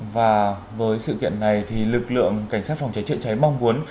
và với sự kiện này thì lực lượng cảnh sát phòng cháy chữa cháy mong muốn